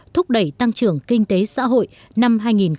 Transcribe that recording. thúc đẩy tăng trưởng kinh tế xã hội năm hai nghìn một mươi bảy